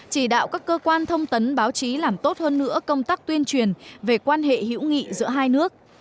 chỉ đạo các cơ quan thông tấn báo chí làm tốt hơn nữa công tác tuyên truyền về quan hệ hữu nghị giữa hai nước